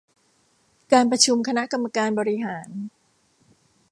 การประชุมคณะกรรมการบริหาร